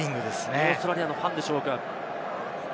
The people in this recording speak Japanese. オーストラリアのファンでしょうか？